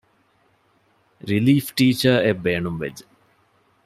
ރިލީފް ޓީޗަރ އެއް ބޭނުންވެއްޖެ